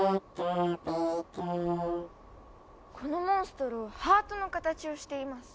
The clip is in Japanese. このモンストロハートの形をしています。